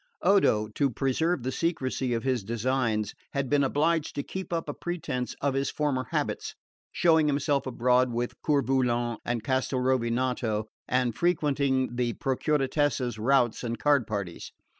Odo, to preserve the secrecy of his designs, had been obliged to keep up a pretence of his former habits, showing himself abroad with Coeur Volant and Castelrovinato and frequenting the Procuratessa's routs and card parties.